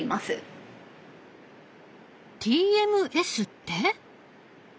ＴＭＳって？